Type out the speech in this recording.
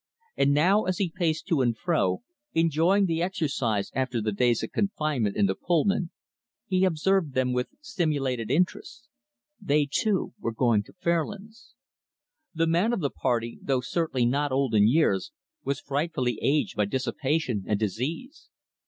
And now, as he paced to and fro, enjoying the exercise after the days of confinement in the Pullman, he observed them with stimulated interest they, too, were going to Fairlands. The man of the party, though certainly not old in years, was frightfully aged by dissipation and disease.